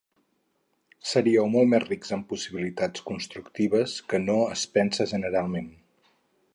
Seríeu molt més rics en possibilitats constructives que no es pensa generalment.